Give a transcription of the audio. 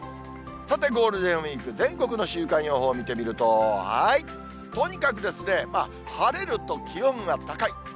さてゴールデンウィーク、全国の週間予報を見てみると、はい、とにかく、晴れると気温が高い。